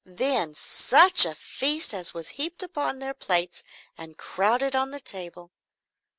Then such a feast as was heaped upon their plates and crowded on the table.